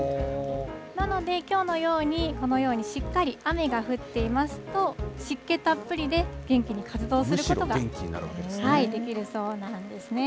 なので、きょうのように、このように、しっかり雨が降っていますと、湿気たっぷりで、元気に活動することができるそうなんですね。